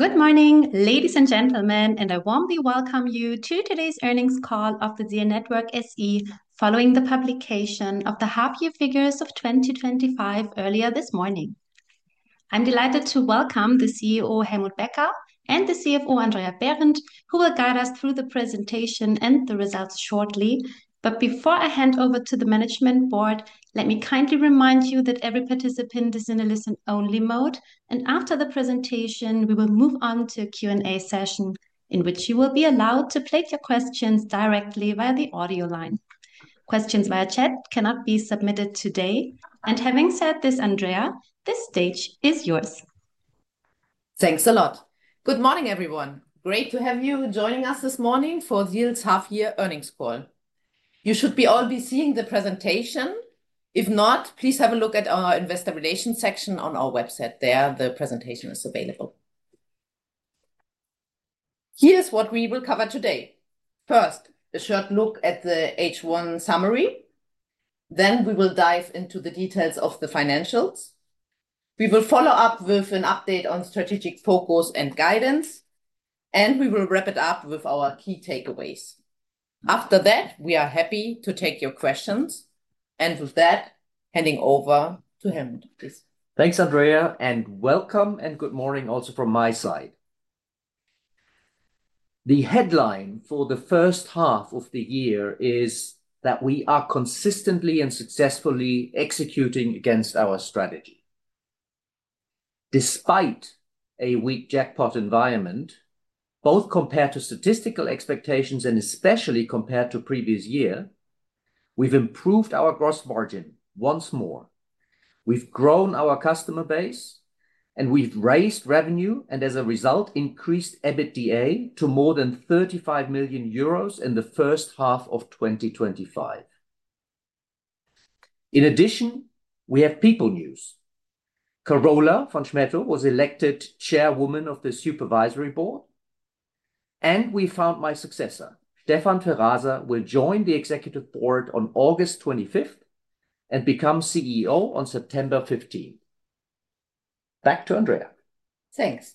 Good morning, ladies and gentlemen, and I warmly welcome you to today's earnings call of ZEAL Network SE, following the publication of the half-year figures of 2025 earlier this morning. I'm delighted to welcome the CEO, Dr. Helmut Becker, and the CFO, Andrea Behrendt, who will guide us through the presentation and the results shortly. Before I hand over to the Management Board, let me kindly remind you that every participant is in a listen-only mode, and after the presentation, we will move on to a Q&A session in which you will be allowed to place your questions directly via the audio line. Questions via chat cannot be submitted today. Having said this, Andrea, the stage is yours. Thanks a lot. Good morning, everyone. Great to have you joining us this morning for ZEAL's half-year earnings call. You should all be seeing the presentation. If not, please have a look at our Investor Relations section on our website. There, the presentation is available. Here's what we will cover today. First, a short look at the H1 summary. Next, we will dive into the details of the financials. We will follow up with an update on strategic focus and guidance, and we will wrap it up with our key takeaways. After that, we are happy to take your questions. With that, handing over to Helmut, please. Thanks, Andrea, and welcome and good morning also from my side. The headline for the first half of the year is that we are consistently and successfully executing against our strategy. Despite a weak jackpot environment, both compared to statistical expectations and especially compared to the previous year, we've improved our gross margin once more. We've grown our customer base, and we've raised revenue, and as a result, increased EBITDA to more than 35 million euros in the first half of 2025. In addition, we have people news. Carola von Schmettow was elected Chairwoman of the Supervisory Board, and we found my successor, Stefan Tweraser, will join the Executive Board on August 25th and become CEO on September 15th. Back to Andrea. Thanks.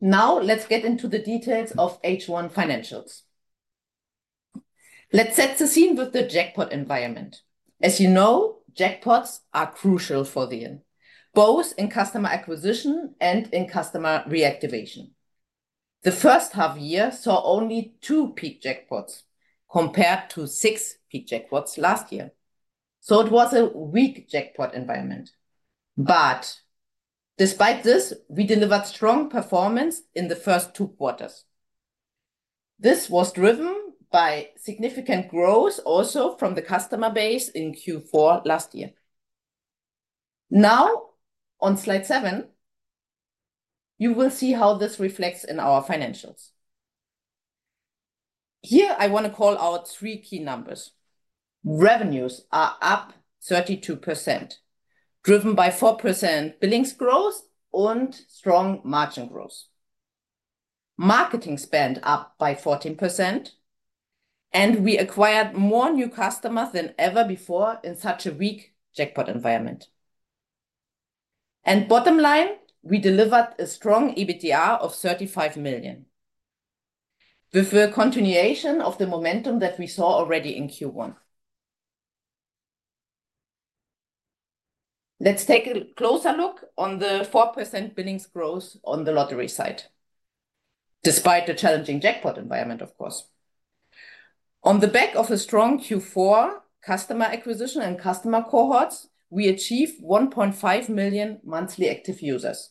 Now, let's get into the details of H1 financials. Let's set the scene with the jackpot environment. As you know, jackpots are crucial for ZEAL, both in customer acquisition and in customer reactivation. The first half year saw only two peak jackpots compared to six peak jackpots last year. It was a weak jackpot environment. Despite this, we delivered strong performance in the first two quarters. This was driven by significant growth also from the customer base in Q4 last year. Now, on slide 7, you will see how this reflects in our financials. Here, I want to call out three key numbers. Revenues are up 32%, driven by 4% billings growth and strong margin growth. Marketing spend is up by 14%, and we acquired more new customers than ever before in such a weak jackpot environment. Bottom line, we delivered a strong EBITDA of 35 million, with a continuation of the momentum that we saw already in Q1. Let's take a closer look at the 4% billings growth on the lottery side, despite the challenging jackpot environment, of course. On the back of a strong Q4 customer acquisition and customer cohorts, we achieved 1.5 million monthly active users.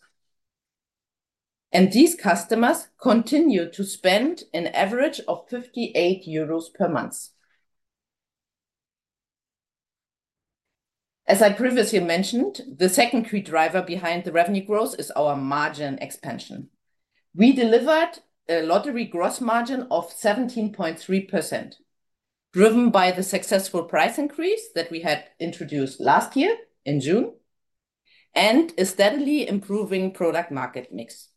These customers continue to spend an average of 58 euros per month. As I previously mentioned, the second key driver behind the revenue growth is our margin expansion. We delivered a lottery gross margin of 17.3%, driven by the successful price increase that we had introduced last year in June, and a steadily improving product-market mix.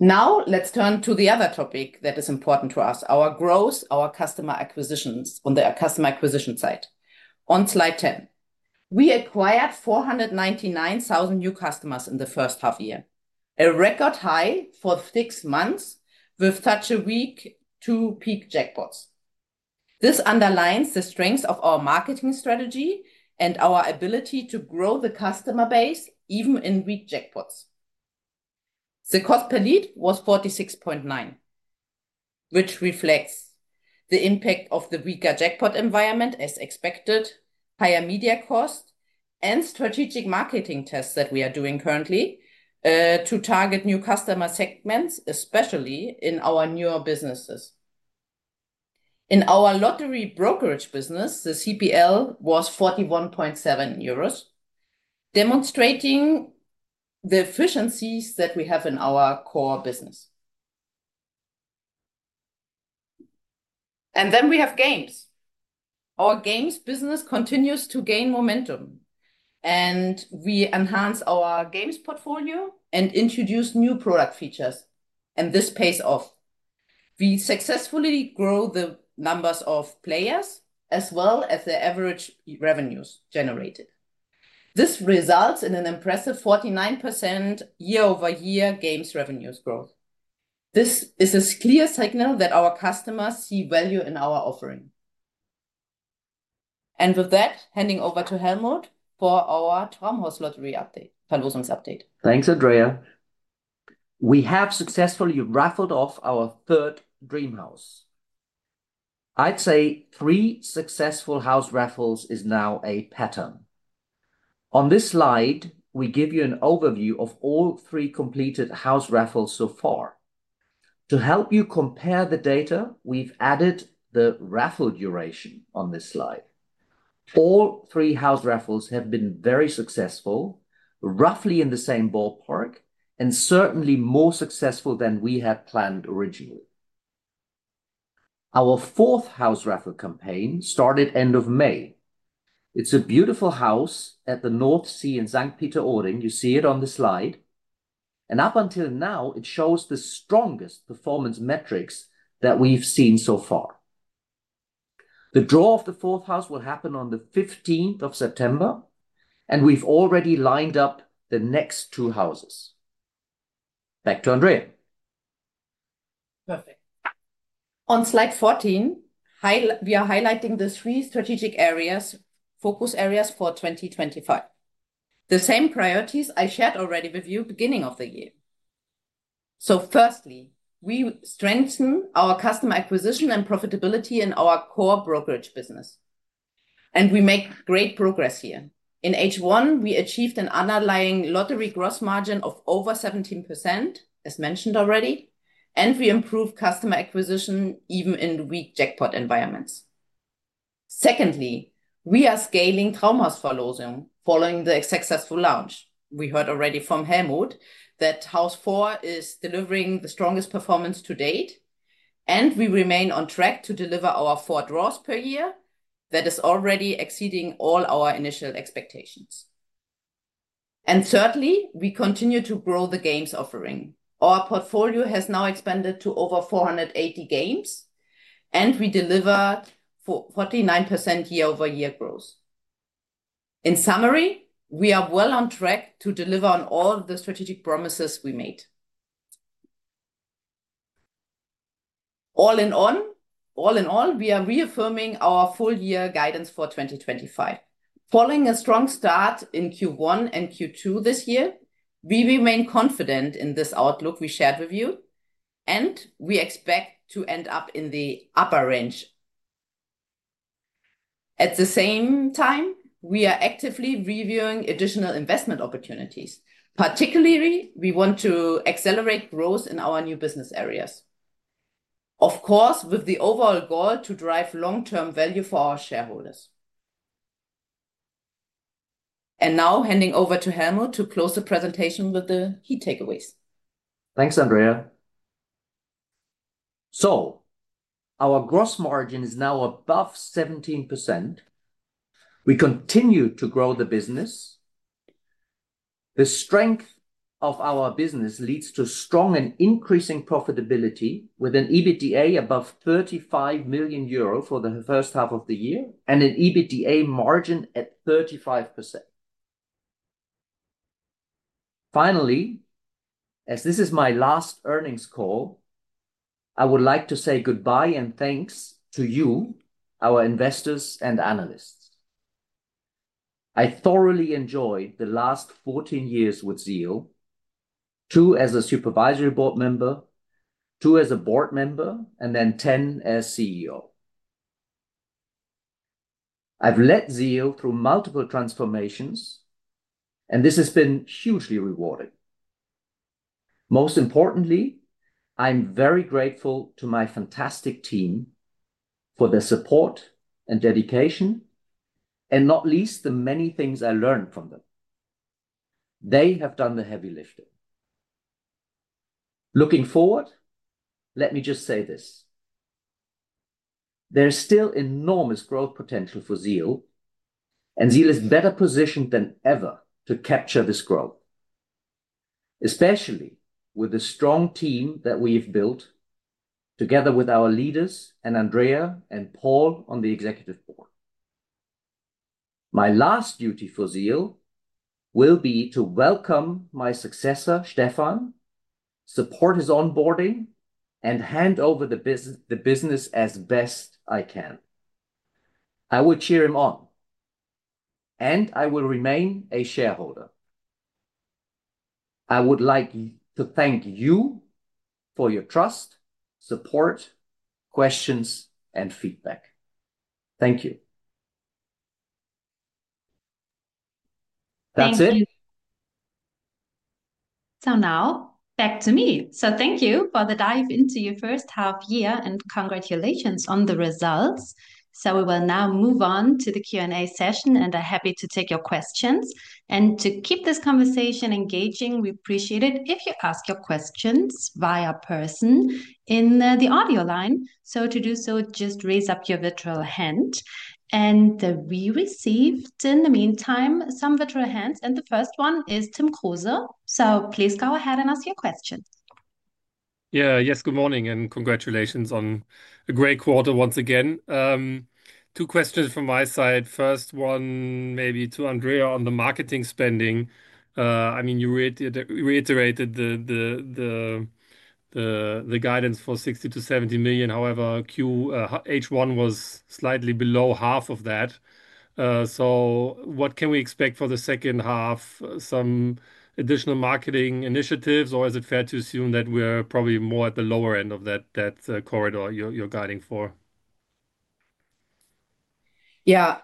Now, let's turn to the other topic that is important to us: our growth, our customer acquisitions on the customer acquisition side. On slide 10, we acquired 499,000 new customers in the first half year, a record high for six months with such a weak two peak jackpots. This underlines the strength of our marketing strategy and our ability to grow the customer base even in weak jackpots. The cost per lead was 46.9, which reflects the impact of the weaker jackpot environment, as expected, higher media cost, and strategic marketing tests that we are doing currently to target new customer segments, especially in our newer businesses. In our lottery brokerage business, the CPL was 41.7 euros, demonstrating the efficiencies that we have in our core business. Then we have games. Our games business continues to gain momentum, and we enhance our games portfolio and introduce new product features, and this pays off. We successfully grow the numbers of players as well as the average revenues generated. This results in an impressive 49% year-over-year games revenues growth. This is a clear signal that our customers see value in our offering. With that, handing over to Helmut for our Traumhausverlosung, closing update. Thanks, Andrea. We have successfully raffled off our third Dream House Raffle. I'd say three successful house raffles are now a pattern. On this slide, we give you an overview of all three completed house raffles so far. To help you compare the data, we've added the raffle duration on this slide. All three house raffles have been very successful, roughly in the same ballpark, and certainly more successful than we had planned originally. Our fourth House Raffle campaign started end of May. It's a beautiful house at the North Sea in Sankt Peter-Ording, you see it on the slide. Up until now, it shows the strongest performance metrics that we've seen so far. The draw of the fourth house will happen on the 15th of September, and we've already lined up the next two houses. Back to Andrea. On slide 14, we are highlighting the three strategic areas, focus areas for 2025. The same priorities I shared already with you at the beginning of the year. Firstly, we strengthen our customer acquisition and profitability in our core brokerage business. We make great progress here. In H1, we achieved an underlying lottery gross margin of over 17%, as mentioned already, and we improved customer acquisition even in weak jackpot environments. Secondly, we are scaling Traumhausverlosung following the successful launch. We heard already from Helmut that House 4 is delivering the strongest performance to date, and we remain on track to deliver our four draws per year that are already exceeding all our initial expectations. Thirdly, we continue to grow the games offering. Our portfolio has now expanded to over 480 games, and we delivered 49% year-over-year growth. In summary, we are well on track to deliver on all the strategic promises we made. All in all, we are reaffirming our full-year guidance for 2025. Following a strong start in Q1 and Q2 this year, we remain confident in this outlook we shared with you, and we expect to end up in the upper range. At the same time, we are actively reviewing additional investment opportunities. Particularly, we want to accelerate growth in our new business areas. Of course, with the overall goal to drive long-term value for our shareholders. Now, handing over to Helmut to close the presentation with the key takeaways. Thanks, Andrea. Our gross margin is now above 17%. We continue to grow the business. The strength of our business leads to strong and increasing profitability with an EBITDA above 35 million euro for the first half of the year and an EBITDA margin at 35%. Finally, as this is my last earnings call, I would like to say goodbye and thanks to you, our investors and analysts. I thoroughly enjoyed the last 14 years with ZEAL, two as a Supervisory Board member, two as a Board member, and then 10 as CEO. I've led ZEAL through multiple transformations, and this has been hugely rewarding. Most importantly, I'm very grateful to my fantastic team for their support and dedication, and not least the many things I learned from them. They have done the heavy lifting. Looking forward, let me just say this: there's still enormous growth potential for ZEAL, and ZEAL is better positioned than ever to capture this growth, especially with the strong team that we've built together with our leaders and Andrea and Paul on the Executive Board. My last duty for ZEAL will be to welcome my successor, Stefan, support his onboarding, and hand over the business as best I can. I will cheer him on, and I will remain a shareholder. I would like to thank you for your trust, support, questions, and feedback. Thank you. That's it. Thank you for the dive into your first half year, and congratulations on the results. We will now move on to the Q&A session, and I'm happy to take your questions. To keep this conversation engaging, we appreciate it if you ask your questions via person in the audio line. To do so, just raise up your virtual hand. We received in the meantime some virtual hands, and the first one is Tim Kruse. Please go ahead and ask your question. Yes, good morning, and congratulations on a great quarter once again. Two questions from my side. First one, maybe to Andrea, on the marketing spending. I mean, you reiterated the guidance for 60 million-70 million. However, H1 was slightly below half of that. What can we expect for the second half? Some additional marketing initiatives, or is it fair to assume that we're probably more at the lower end of that corridor you're guiding for? Yeah,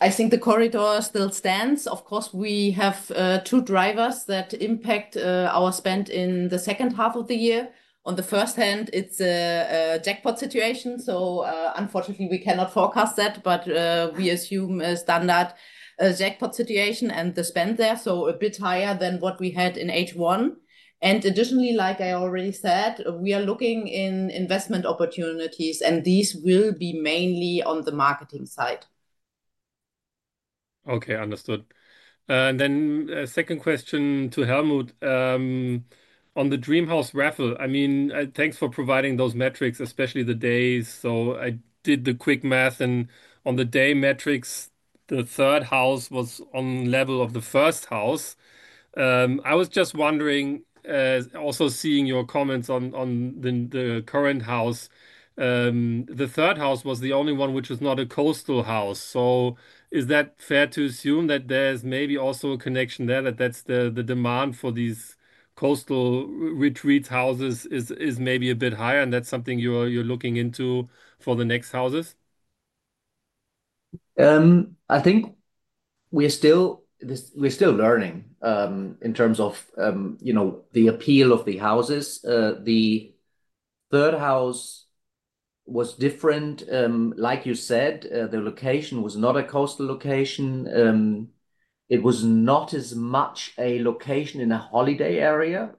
I think the corridor still stands. Of course, we have two drivers that impact our spend in the second half of the year. On the first hand, it's a jackpot environment. Unfortunately, we cannot forecast that, but we assume a standard jackpot environment and the spend there, so a bit higher than what we had in H1. Additionally, like I already said, we are looking at investment opportunities, and these will be mainly on the marketing side. Okay, understood. A second question to Helmut. On the Dream House Raffle, thanks for providing those metrics, especially the days. I did the quick math, and on the day metrics, the third house was on the level of the first house. I was just wondering, also seeing your comments on the current house, the third house was the only one which was not a coastal house. Is that fair to assume that there's maybe also a connection there, that the demand for these coastal retreat houses is maybe a bit higher, and that's something you're looking into for the next houses? I think we're still learning in terms of the appeal of the houses. The third house was different, like you said, the location was not a coastal location. It was not as much a location in a holiday area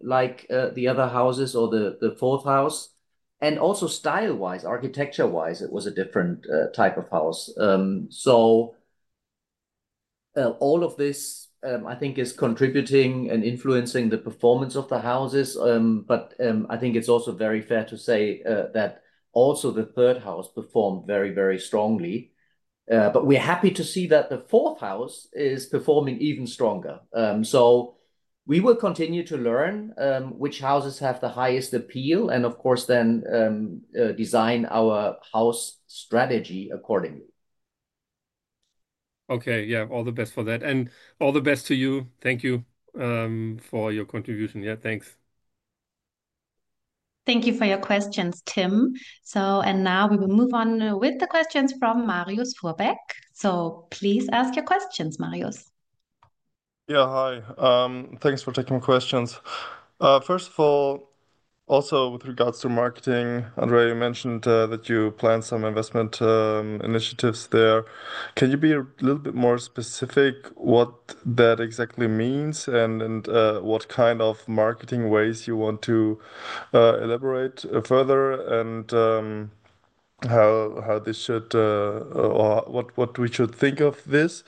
like the other houses or the fourth house. Also, style-wise, architecture-wise, it was a different type of house. All of this, I think, is contributing and influencing the performance of the houses. I think it's also very fair to say that the third house performed very, very strongly. We're happy to see that the fourth house is performing even stronger. We will continue to learn which houses have the highest appeal, and of course, then design our house strategy accordingly. Okay, all the best for that. All the best to you. Thank you for your contribution. Yeah, thanks. Thank you for your questions, Tim. Now we will move on with the questions from Marius Fuhrberg. Please ask your questions, Marius. Yeah, hi. Thanks for taking my questions. First of all, also with regards to marketing, Andrea, you mentioned that you plan some investment initiatives there. Can you be a little bit more specific on what that exactly means and what kind of marketing ways you want to elaborate further and how this should or what we should think of this?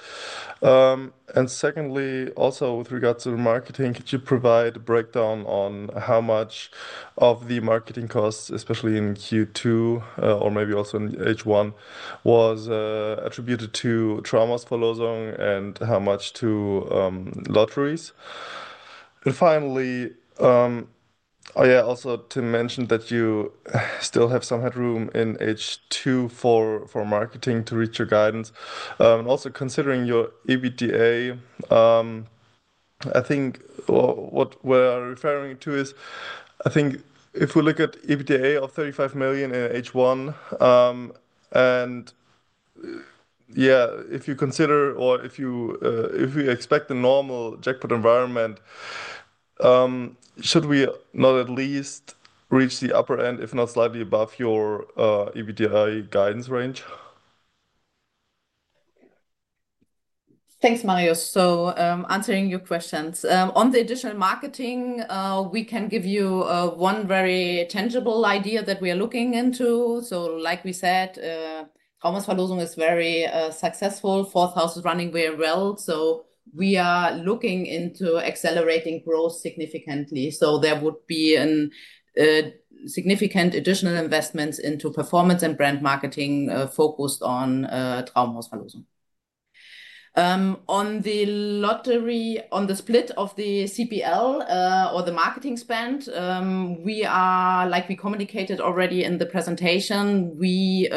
Secondly, also with regards to the marketing, could you provide a breakdown on how much of the marketing costs, especially in Q2 or maybe also in H1, was attributed to Traumhausverlosung and how much to lotteries? Finally, also to mention that you still have some headroom in H2 for marketing to reach your guidance. Also considering your EBITDA, I think what we're referring to is, I think if we look at EBITDA of 35 million in H1, and if you consider or if you expect a normal jackpot environment, should we not at least reach the upper end, if not slightly above, your EBITDA guidance range? Thanks, Marius. Answering your questions, on the digital marketing, we can give you one very tangible idea that we are looking into. Like we said, Traumhausverlosung is very successful. The fourth house is running very well. We are looking into accelerating growth significantly. There would be significant additional investments into performance and brand marketing focused on Traumhausverlosung. On the lottery, on the split of the CPL or the marketing spend, like we communicated already in the presentation, we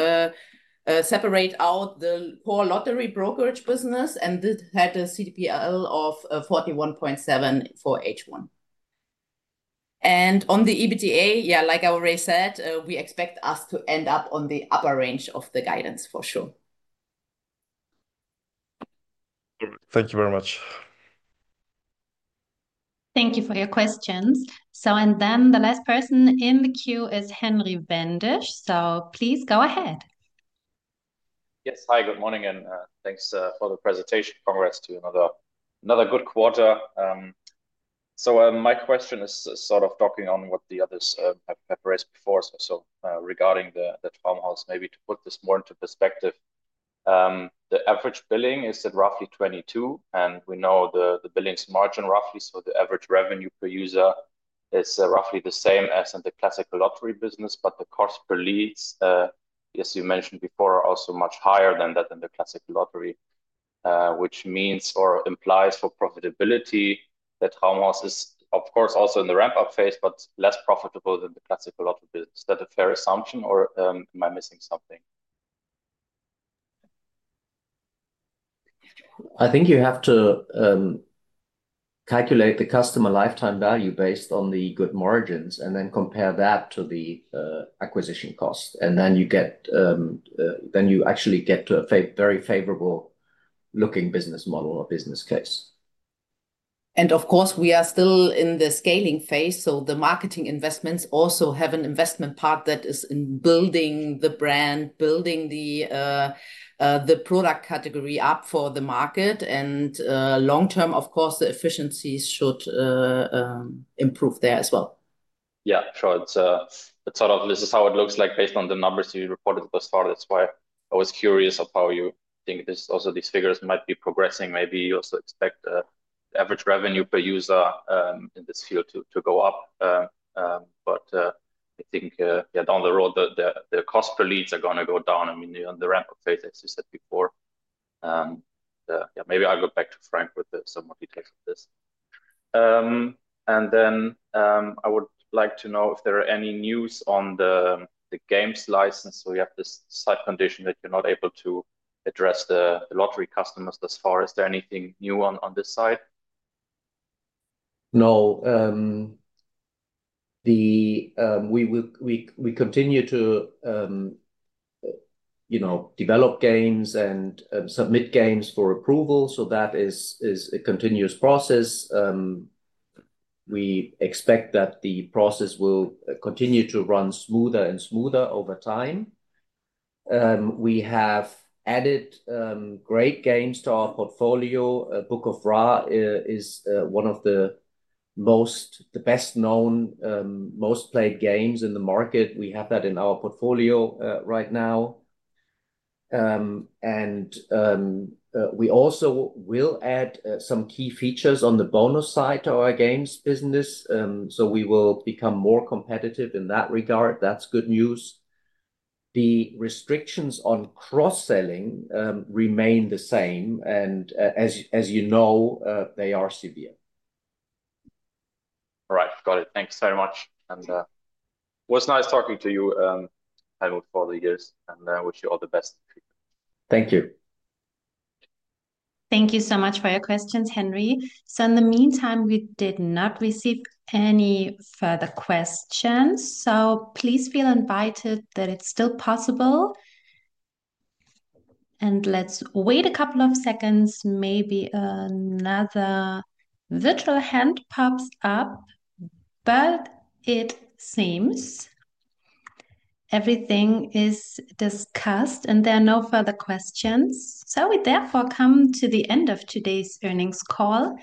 separate out the core lottery brokerage business, and this had a CPL of 41.7 for H1. On the EBITDA, like I already said, we expect us to end up on the upper range of the guidance for sure. Thank you very much. Thank you for your questions. The last person in the queue is Henry Wendisch. Please go ahead. Yes, hi, good morning, and thanks for the presentation. Congrats to you on another good quarter. My question is sort of talking on what the others have prepared for us, regarding the Traumhaus, maybe to put this more into perspective. The average billing is at roughly 22, and we know the billings margin roughly, so the average revenue per user is roughly the same as in the classic lottery business, but the cost per lead, as you mentioned before, are also much higher than that in the classic lottery, which means or implies for profitability that Traumhaus is, of course, also in the ramp-up phase, but less profitable than the classic lottery business. Is that a fair assumption, or am I missing something? I think you have to calculate the customer lifetime value based on the good margins, and then compare that to the acquisition cost, and then you actually get to a very favorable-looking business model or business case. We are still in the scaling phase, so the marketing investments also have an investment part that is in building the brand, building the product category up for the market, and long term, the efficiencies should improve there as well. Yeah, sure. This is how it looks like based on the numbers you reported thus far. That's why I was curious how you think these figures might be progressing. Maybe you also expect the average revenue per user in this field to go up. I think, down the road, the cost per lead is going to go down. I mean, you're in the ramp-up phase, as you said before. Maybe I'll look back to Frank with some more details on this. I would like to know if there are any news on the games license. You have this side condition that you're not able to address the lottery customers thus far. Is there anything new on this side? No. We continue to develop games and submit games for approval, so that is a continuous process. We expect that the process will continue to run smoother and smoother over time. We have added great games to our portfolio. Book of Ra is one of the best-known, most-played games in the market. We have that in our portfolio right now. We also will add some key features on the bonus side to our games business, so we will become more competitive in that regard. That's good news. The restrictions on cross-selling remain the same, and as you know, they are severe. All right, got it. Thanks very much. It was nice talking to you, Helmut, for all the years, and I wish you all the best. Thank you. Thank you so much for your questions, Henry. In the meantime, we did not receive any further questions, so please feel invited that it's still possible. Let's wait a couple of seconds. Maybe another virtual hand pops up, but it seems everything is discussed and there are no further questions. We therefore come to the end of today's earnings call.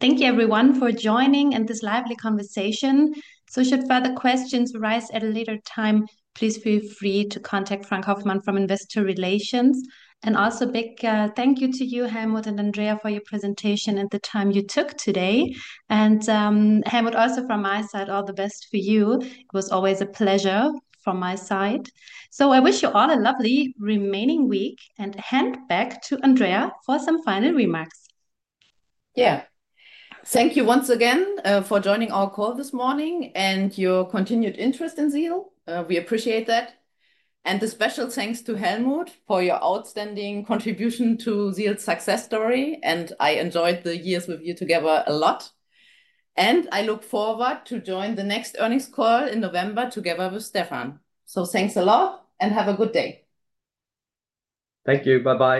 Thank you, everyone, for joining in this lively conversation. Should further questions arise at a later time, please feel free to contact Frank Hoffman from Investor Relations. Also, a big thank you to you, Helmut and Andrea, for your presentation and the time you took today. Helmut, also from my side, all the best for you. It was always a pleasure from my side. I wish you all a lovely remaining week and a hand back to Andrea for some final remarks. Thank you once again for joining our call this morning and your continued interest in ZEAL. We appreciate that. A special thanks to Helmut for your outstanding contribution to ZEAL's success story, and I enjoyed the years with you together a lot. I look forward to joining the next earnings call in November together with Stefan. Thanks a lot and have a good day. Thank you. Bye-bye.